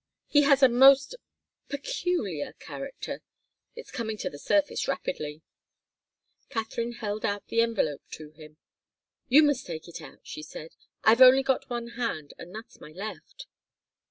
He has a most peculiar character. It's coming to the surface rapidly." Katharine held out the envelope to him. "You must take it out," she said. "I've only got one hand, and that's my left."